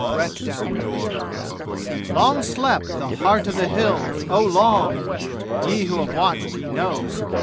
Chapter XI Long slept the Heart o' the Hills, oh, long! (Ye who have watched, ye know!)